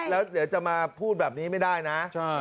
ต้องมีแบบนี้ไม่ได้นะ